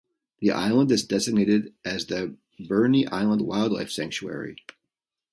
The island is designated as the "Birnie Island Wildlife Sanctuary".